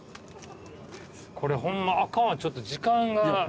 これホンマあかんわちょっと時間が。